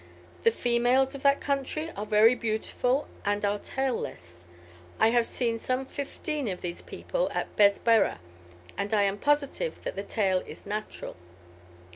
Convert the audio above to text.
The females of that country are very beautiful and are tailless. I have seen some fifteen of these people at Besberah, and I am positive that the tail is natural."